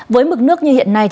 với mực nước như hiện nay